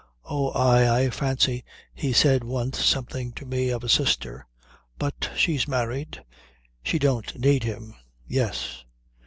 Oh, aye, I fancy he said once something to me of a sister. But she's married. She don't need him. Yes.